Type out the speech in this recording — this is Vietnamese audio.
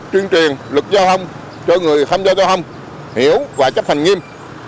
chuyên truyền lực giao thông cho người không giao giao thông hiểu và chấp thành nghiêm